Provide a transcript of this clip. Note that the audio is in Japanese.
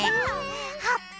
はっぱ！